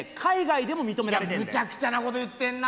むちゃくちゃなこと言ってんな！